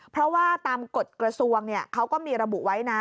เพราะว่าตามกฎกระทรวงเขาก็มีระบุไว้นะ